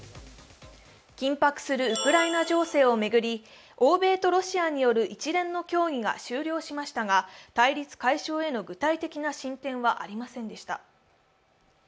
緊迫するウクライナ情勢を巡り、欧米とロシアによる一連の協議が終了しましたが対立解消への具体的な進展はありませんでした。